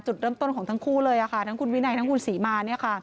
จุดเริ่มต้นของทั้งคู่เลยทั้งคุณวินัยทั้งคุณศรีมา